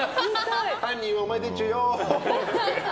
犯人はお前でちゅよって。